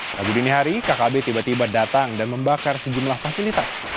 rabu dini hari kkb tiba tiba datang dan membakar sejumlah fasilitas